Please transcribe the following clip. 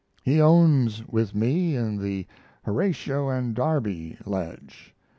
He owns with me in the "Horatio and Derby" ledge.